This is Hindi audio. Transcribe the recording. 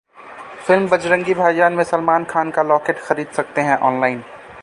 फिल्म 'बजरंगी भाईजान' में सलमान खान का लॉकेट खरीद सकते हैं ऑनलाइन